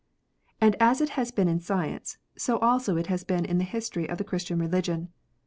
And as it has been in science, so also it has been in the history of the Christian religion.